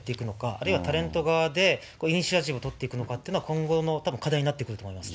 あるいはタレント側でイニシアチブを取っていくのかということが今後の課題になってくると思います。